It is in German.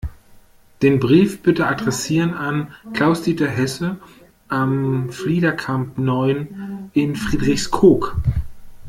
Den Brief bitte adressieren an Klaus-Dieter Hesse, Am Fliederkamp neun in Friedrichskoog.